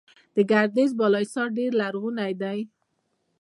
د ګردیز بالاحصار ډیر لرغونی دی